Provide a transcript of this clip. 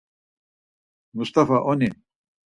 “Must̆afa oni?”